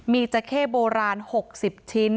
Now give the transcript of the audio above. มีจราเข้โบราณ๖๐ชิ้น